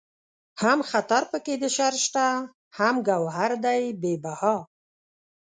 هم خطر پکې د شر شته هم گوهر دئ بې بها